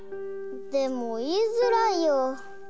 でもいいづらいよ。